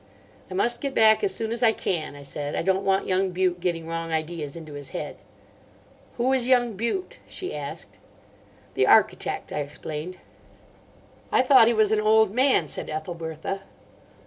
"I must get back as soon as I can," I said. "I don't want young Bute getting wrong ideas into his head." "Who is young Bute?" she asked. "The architect," I explained. "I thought he was an old man," said Ethelbertha.